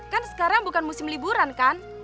kan sekarang bukan musim liburan kan